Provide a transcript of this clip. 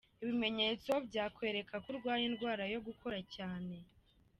Ibimenyetso byakwereka ko urwaye indwara yo gukora cyane.